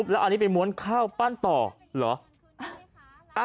แล้วอันนี้ไปม้วนข้าวปั้นต่อเหรอ